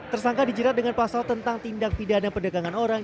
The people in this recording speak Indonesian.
tersangka dijerat dengan pasal tentang tindak pidana perdagangan orang